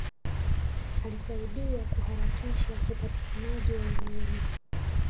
Alisaidia kuharakisha upatikanaji wa uhuru